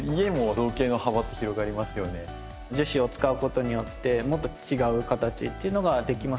樹脂を使う事によってもっと違う形っていうのができます。